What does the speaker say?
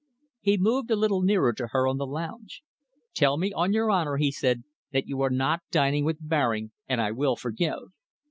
He moved a little nearer to her on the lounge. "Tell me on your honour," he said, "that you are not dining with Baring, and I will forgive!"